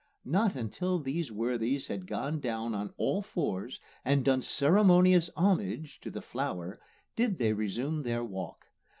Not until these worthies had got down on all fours and done ceremonious homage to the flower did they resume their walk.